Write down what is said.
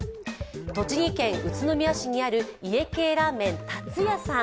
栃木県宇都宮市にある家系ラーメン、たつ家さん。